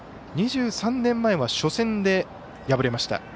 ２３年前は初戦で敗れました。